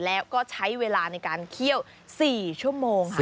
แล้วก็ใช้เวลาในการเคี่ยว๔ชั่วโมงค่ะ